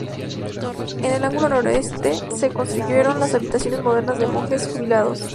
En el ángulo nordeste se construyeron las habitaciones modernas de monjes jubilados.